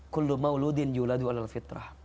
kullum mauludin yuladu alal fitrah